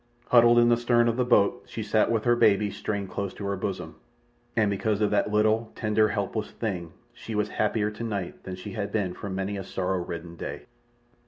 Huddled in the stern of the boat she sat with her baby strained close to her bosom, and because of that little tender, helpless thing she was happier tonight than she had been for many a sorrow ridden day.